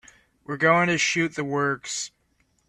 We're going to shoot the works.